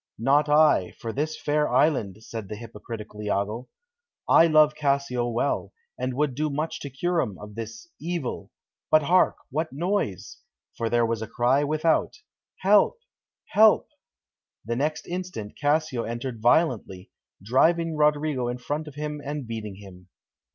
"Not I, for this fair island," said the hypocritical Iago. "I love Cassio well, and would do much to cure him of this, evil. But hark! What noise?" for there was a cry without: "Help! help!" The next instant Cassio entered violently, driving Roderigo in front of him and beating him.